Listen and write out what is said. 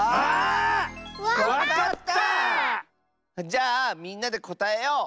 じゃあみんなでこたえよう！